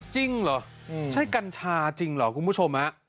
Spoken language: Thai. จริงเหรอใช่กัญชาจริงเหรอคุณผู้ชมฮะ